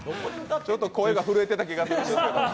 ちょっと声が震えてた気がするんですけど。